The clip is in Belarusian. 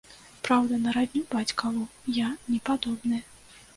Праўда, на радню бацькаву я не падобны.